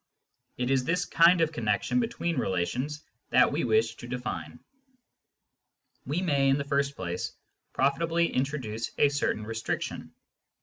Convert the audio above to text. It is this kind of connection between relations thaV we wish to define. We may, in the first place, profitably introduce a certain restriction.